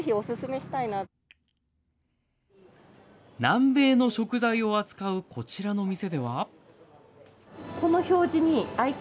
南米の食材を扱うこちらの店では。